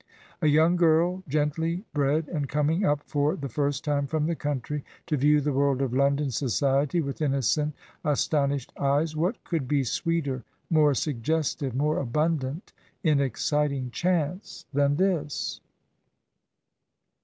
A young girl gently bred, and coming up for the first time from the country to view the world of Lon don society with innocent, astonished eyes — ^what could be sweeter, more suggestive, more abundant in exciting chance than this?